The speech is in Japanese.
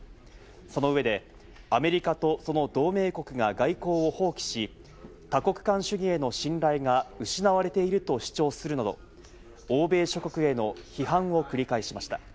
その上でアメリカと、その同盟国が外交を放棄し、多国間主義への信頼が失われていると主張するなど、欧米諸国への批判を繰り返しました。